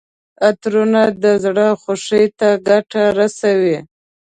عطرونه د زړه خوښۍ ته ګټه رسوي.